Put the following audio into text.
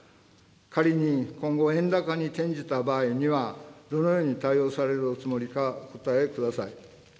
仮に今後、円高に転じた場合には、どのように対応されるおつもりか、お答えください。